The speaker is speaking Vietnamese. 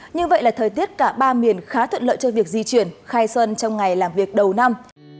như vậy là thời tiết cả ba miền khá thuận lợi cho việc di chuyển khai xuân trong ngày làm việc đầu năm